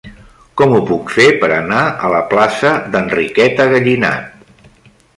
Com ho puc fer per anar a la plaça d'Enriqueta Gallinat?